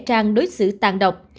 trang đã đối xử tàn độc